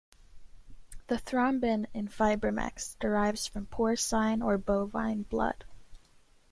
The thrombin in Fibrimex derives from porcine or bovine blood.